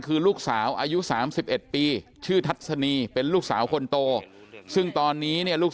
คือลูกสาวอายุ๓๑ปีชื่อทัศนีเป็นลูกสาวคนโตซึ่งตอนนี้เนี่ยลูก